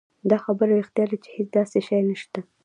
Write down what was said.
دا خبره رښتيا ده چې هېڅ داسې شی نشته